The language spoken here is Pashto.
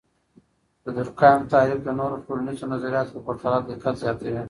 د دورکهايم تعریف د نورو ټولنیزو نظریاتو په پرتله دقت زیاتوي.